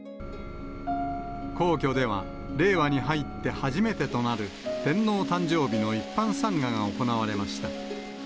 皇居では、令和に入って初めてとなる、天皇誕生日の一般参賀が行われました。